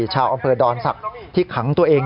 ชาวอำเภอดอนศักดิ์ที่ขังตัวเอง